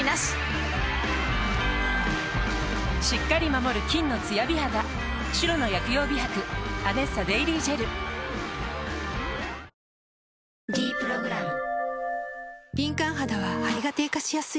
しっかり守る金のつや美肌白の薬用美白「ＡＮＥＳＳＡ」デイリージェル「ｄプログラム」